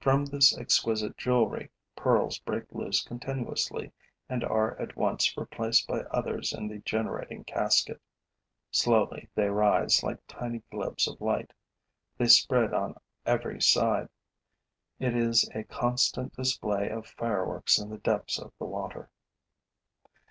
From this exquisite jewelry pearls break loose continuously and are at once replaced by others in the generating casket; slowly they rise, like tiny globes of light. They spread on every side. It is a constant display of fireworks in the depths of the water.